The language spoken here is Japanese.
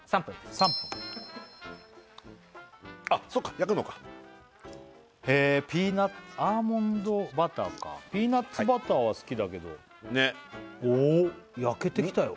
焼くのかアーモンドバターかピーナッツバターは好きだけどおっ焼けてきたよ